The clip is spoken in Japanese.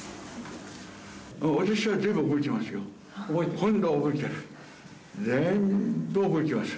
私は全部覚えてますよ。